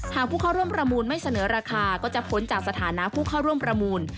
ผู้เข้าร่วมประมูลไม่เสนอราคาก็จะพ้นจากสถานะผู้เข้าร่วมประมูล